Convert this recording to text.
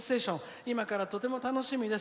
今からとても楽しみです」。